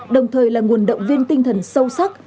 đồng thời là nguồn động viên tinh thần sâu sắc